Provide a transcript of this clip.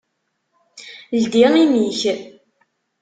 Ldi imi-k!